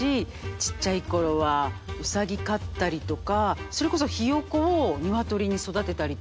ちっちゃい頃はウサギ飼ったりとかそれこそヒヨコをニワトリに育てたりとか。